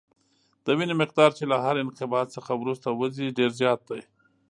د وینې مقدار چې له هر انقباض څخه وروسته وځي ډېر زیات دی.